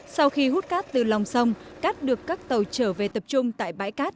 sau khi hút cát từ lòng sông cát được các tàu trở về tập trung tại bãi cát